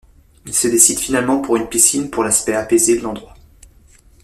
Il se décide finalement pour une piscine pour l'aspect apaisé de l'endroit.